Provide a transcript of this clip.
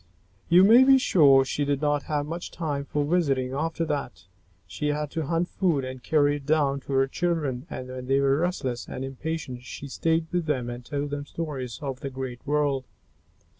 You may be sure she did not have much time for visiting after that. She had to hunt food and carry it down to her children, and when they were restless and impatient she stayed with them and told them stories of the great world.